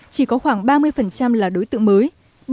chỉ có khoảng ba mươi là đối tượng mới